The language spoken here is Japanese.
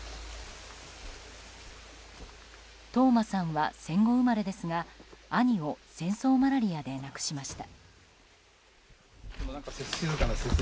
唐眞さんは戦後生まれですが兄を戦争マラリアで亡くしました。